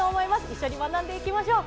一緒に学んでいきましょう。